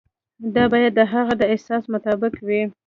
دا باید د هغه د احساس مطابق وي.